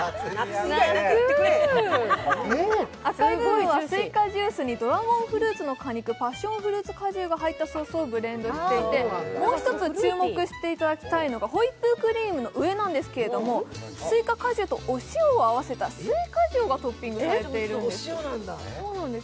赤い部分はスイカジュースにドラゴンフルーツ果汁、パッションフルーツ果汁が入ったソースをブレンドしていて、もう一つ注目していただきたいのはホイップクリームの上なんですけれどもスイカ果汁とお塩を合わせたスイカ塩がトッピングされているんです。